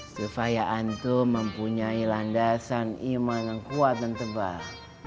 supaya antu mempunyai landasan iman yang kuat dan tebal